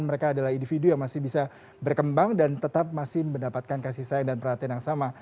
mereka adalah individu yang masih bisa berkembang dan tetap masih mendapatkan kasih sayang dan perhatian yang sama